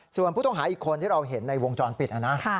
ส่วนผู้ต้องหาอีกคนที่เราเห็นในวงจรปิดนะนะ